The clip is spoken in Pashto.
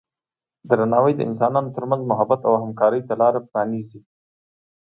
درناوی د انسانانو ترمنځ محبت او همکارۍ ته لاره پرانیزي.